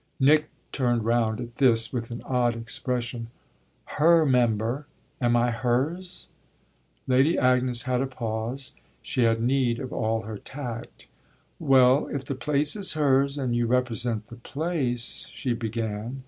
Nick turned round at this with an odd expression. "Her member am I hers?" Lady Agnes had a pause she had need of all her tact. "Well, if the place is hers and you represent the place !" she began.